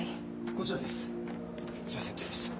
こちらですすいません通ります。